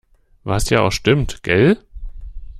Was ja auch stimmt. Gell?